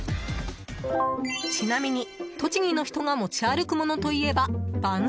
ちなみに栃木の人が持ち歩くものといえばばん